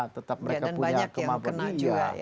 dan banyak yang kena juga